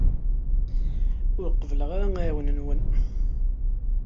Ur qebbleɣ ara aɛiwen-nwen.